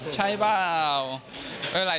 ใช่เปล่า